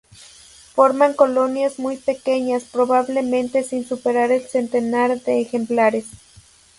Forman colonias muy pequeñas, probablemente sin superar el centenar de ejemplares.